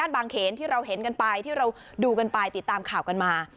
บางเขนที่เราเห็นกันไปที่เราดูกันไปติดตามข่าวกันมา